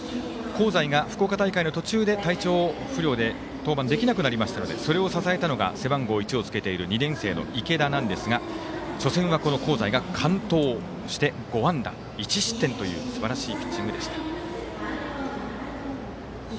香西が福岡大会の途中で体調不良で登板できなくなりましたのでそれを支えたのが背番号１をつけている２年生の池田なんですが初戦はこの香西が完投をして５安打１失点というすばらしいピッチングでした。